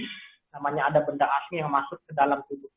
namanya ada benda asli yang masuk ke dalam tubuh